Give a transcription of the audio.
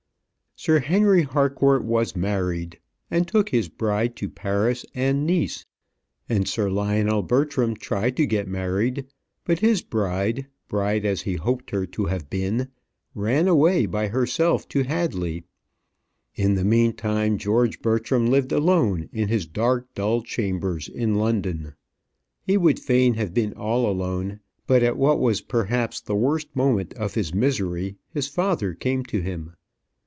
Sir Henry Harcourt was married and took his bride to Paris and Nice; and Sir Lionel Bertram tried to get married, but his bride bride as he hoped her to have been ran away by herself to Hadley. In the meantime George Bertram lived alone in his dark dull chambers in London. He would fain have been all alone; but at what was perhaps the worst moment of his misery, his father came to him.